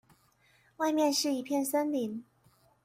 外面是一片森林